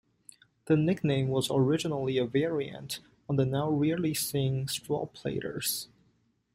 The nickname was originally a variant on the now rarely seen straw-plaiters.